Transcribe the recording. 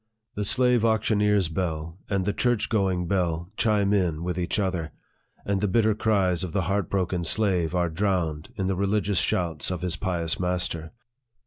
The slave auctioneer's bell and the church going bell chime in with each other, and the bitter cries of the heart broken slave are drowned in the religious shouts of his pious master.